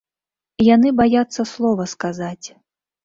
Яны баяцца слова сказаць.